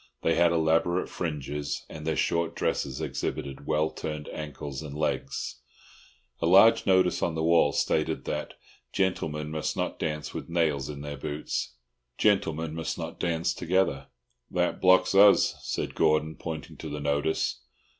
They had elaborate fringes, and their short dresses exhibited well turned ankles and legs. A large notice on the wall stated that "Gentlemen must not dance with nails in their boots. Gentlemen must not dance together." "That blocks us," said Gordon, pointing to the notice.